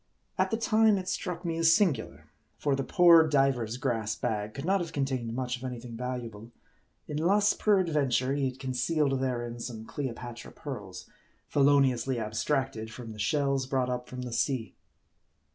At the time it struck me as singular ; for the poor diver's grass bag could not have contained much of any thing val uable ; unless, peradventure, he had concealed therein some Cleopatra pearls, feloniously abstracted from the shells brought up from the sea.